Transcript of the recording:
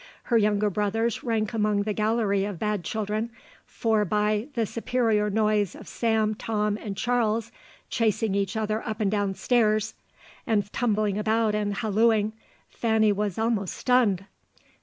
Her younger brothers rank among the gallery of bad children, for by "the superior noise of Sam, Tom, and Charles chasing each other up and down stairs, and tumbling about and hallooing, Fanny was almost stunned.